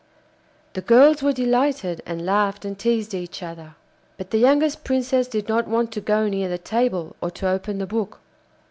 The girls were delighted, and laughed and teased each other. But the youngest Princess did not want to go near the table or to open the book.